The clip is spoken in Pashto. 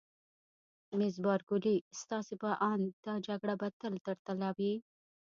مس بارکلي: ستاسي په اند دا جګړه به تل تر تله وي؟